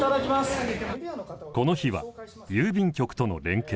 この日は郵便局との連携。